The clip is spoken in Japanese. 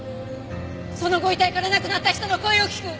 そのご遺体から亡くなった人の声を聞く！